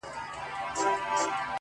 ښايي زما د مرگ لپاره څه خيال وهي;